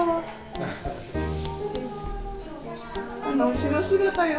後ろ姿が。